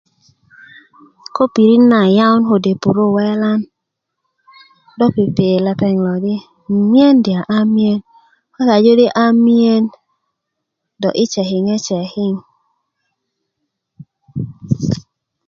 Ko pirit na yawun kode puru welan do pipi lepeŋ lo di mimiyen dia a miyen ko di a miyen do i sekiŋe sekiŋ